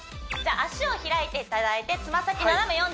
じゃあ脚を開いていただいてつま先斜め